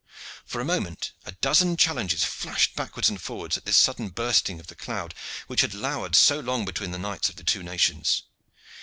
For a moment a dozen challenges flashed backwards and forwards at this sudden bursting of the cloud which had lowered so long between the knights of the two nations.